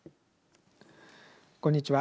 こんにちは。